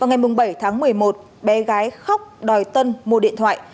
vào ngày bảy tháng một mươi một bé gái khóc đòi tân mua điện thoại